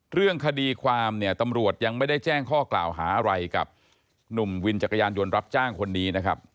เรื่องคดีความเนี่ยตำรวจยังไม่ได้แจ้งข้อกล่าวหาอะไรกับหนุ่มวินจักรยานยนต์รับจ้างคนนี้นะครับ